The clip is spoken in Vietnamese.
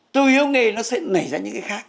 tôi yêu nghề nó sẽ nảy ra những cái khác